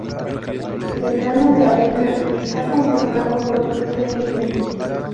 El grano de avena está conformado por gluten libre.